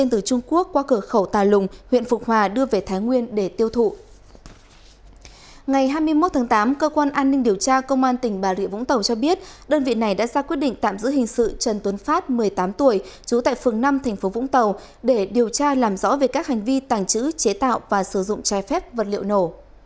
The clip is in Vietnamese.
ngày hai mươi một tháng tám cơ quan an ninh điều tra công an tỉnh bà rịa vũng tàu cho biết đơn vị này đã ra quyết định tạm giữ hình sự trần tuấn phát một mươi tám tuổi trú tại phường năm thành phố vũng tàu để điều tra làm rõ về các hành vi tàng trữ chế tạo và sử dụng trái phép vật liệu nổ